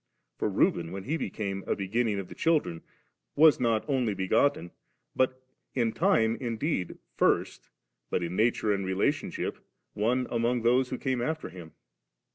For Reuben, when he became a beginning of the children', was not only begotten, but b time indeed first, but in nature and relationship one among those who came after him.